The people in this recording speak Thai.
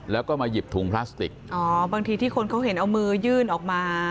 แล้วก็มาหยิบถุงพลาสติกอ๋อบางทีที่คนเขาเห็นเอามือยื่นออกมา